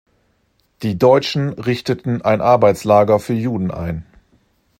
Die Deutschen richteten ein Arbeitslager für Juden ein.